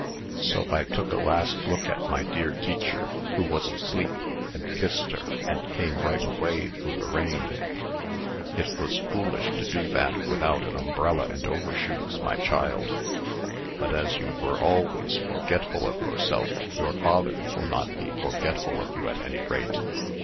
"So I took a last look at my dear teacher who was asleep and kissed her, and came right away through the rain." "It was foolish to do that without an umbrella and overshoes, my child. But, as you were always forgetful of yourself, your father will not be forgetful of you, at any rate."